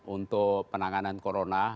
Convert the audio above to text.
untuk penanganan corona